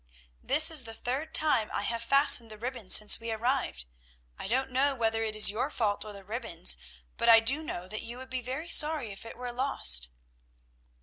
"This is the third time I have fastened the ribbon since we arrived; I don't know whether it is your fault or the ribbon's, but I do know that you would be very sorry if it were lost."